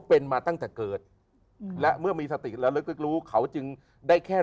เป็นมาตั้งแต่เกิดและเมื่อมีสติแล้วลึกรู้เขาจึงได้แค่